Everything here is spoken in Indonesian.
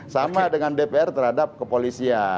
sama dengan dpr terhadap kepolisian